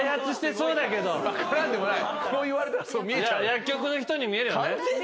薬局の人に見えるよね。